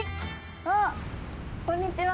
あっこんにちは。